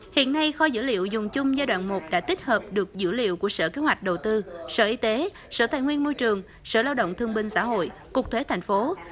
hiện nay kho dữ liệu dùng chung giai đoạn một đã tích hợp được dữ liệu của sở kế hoạch đầu tư sở y tế sở tài nguyên môi trường sở lao động thương binh xã hội cục thuế thành phố